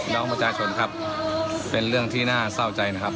น้องประชาชนครับเป็นเรื่องที่น่าเศร้าใจนะครับ